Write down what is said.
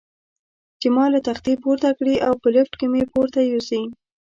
چې ما له تختې پورته کړي او په لفټ کې مې پورته یوسي.